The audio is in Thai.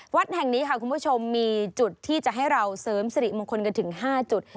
วัดแห่งนี้ค่ะคุณผู้ชมมีจุดที่จะให้เราเสริมสิริมงคลกันถึง๕จุด